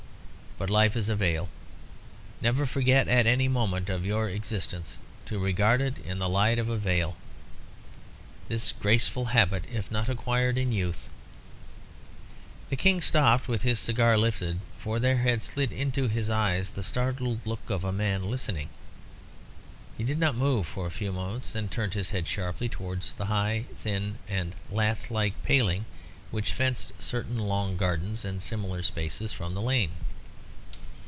But life is a vale. Never forget at any moment of your existence to regard it in the light of a vale. This graceful habit, if not acquired in youth " The King stopped, with his cigar lifted, for there had slid into his eyes the startled look of a man listening. He did not move for a few moments; then he turned his head sharply towards the high, thin, and lath like paling which fenced certain long gardens and similar spaces from the lane.